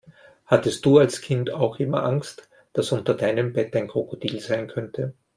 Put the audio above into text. Hattest du als Kind auch immer Angst, dass unter deinem Bett ein Krokodil sein könnte?